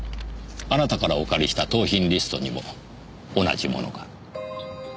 あなたからお借りした盗品リストにも同じものが。